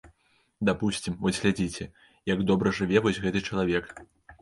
Дапусцім, вось глядзіце, як добра жыве вось гэты чалавек.